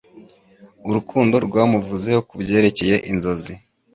Urukundo rwamuvuzeho kubyerekeye inzozi